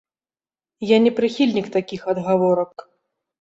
Я не прыхільнік такіх адгаворак.